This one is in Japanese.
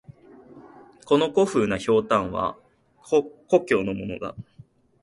この古風な酒瓢は故郷のものだ。